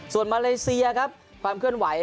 ส่วนมาเลเซียครับความเคลื่อนไหว